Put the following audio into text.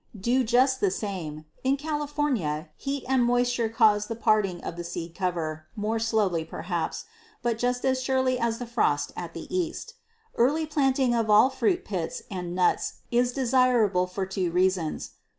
Do just the same. In California, heat and moisture cause the parting of the seed cover, more slowly perhaps, but just as surely as the frost at the East. Early planting of all fruit pits and nuts is desirable for two reasons.